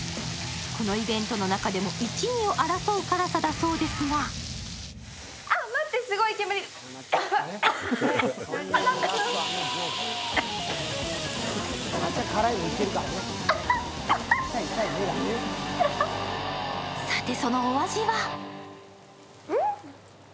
このイベントの中でも１、２を争う辛さだそうですがさて、そのお味は？